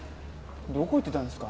どこ行ってたんですか？